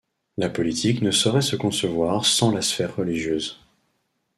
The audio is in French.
La politique ne saurait se concevoir sans la sphère religieuse.